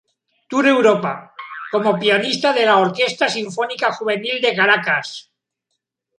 Tour Europa: Como Pianista de la Orquesta Sinfónica Juvenil de Caracas.